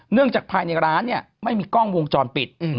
เนื่องจากภายในร้านไม่มีกล้องวงจรปิด